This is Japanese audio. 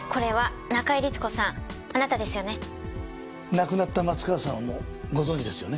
亡くなった松川さんもご存じですよね？